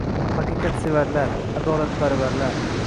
— Haqiqatsevarlar, adolatparvarlar.